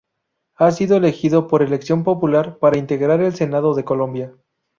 Ha sido elegido por elección popular para integrar el Senado de Colombia.